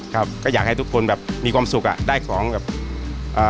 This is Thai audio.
ครับก็อยากให้ทุกคนแบบมีความสุขอ่ะได้ของแบบเอ่อ